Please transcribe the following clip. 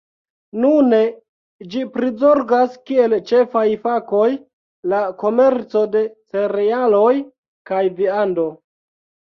Nune ĝi prizorgas kiel ĉefaj fakoj la komerco de cerealoj kaj viando.